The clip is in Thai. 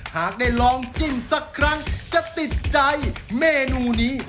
หากได้ลองจิ้มสักครั้งจะติดใจเมนูนี้